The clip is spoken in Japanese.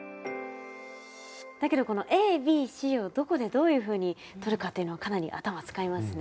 だけどこのＡＢＣをどこでどういうふうにとるかっていうのはかなり頭使いますね。